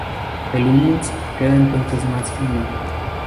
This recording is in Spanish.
El hummus queda entonces más fino.